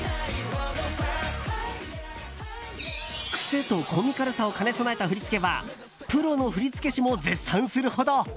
癖とコミカルさを兼ね備えた振り付けはプロの振付師も絶賛するほど。